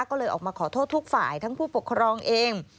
ก็เลยออกมาขอโทษทุกฝ่ายทั้งผู้ปกครองเอง